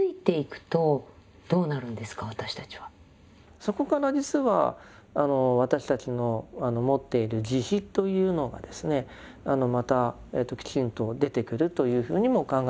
そこから実は私たちの持っている慈悲というのがですねまたきちんと出てくるというふうにも考えることができます。